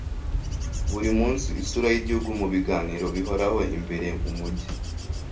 burimunsi isura yigihugu mubiganiro bihoraho: imbere umujyi